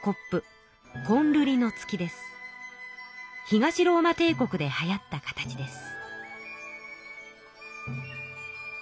東ローマ帝国ではやった形です。